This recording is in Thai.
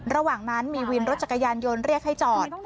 ระหว่างนั้นมีวินรถจักรยานยนต์เรียกให้จอด